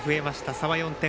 差は４点。